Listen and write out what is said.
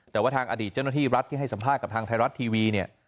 แต่ว่าทางอดีตเจ้าหน้าที่รัฐที่ให้สัมภาษณ์กับทางไทยรัฐทีวีเนี่ย